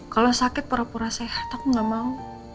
kalau sakit pura pura sehat aku gak mau